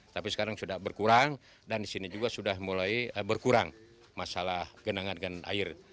tapi sekarang sudah berkurang dan di sini juga sudah mulai berkurang masalah genangan dan air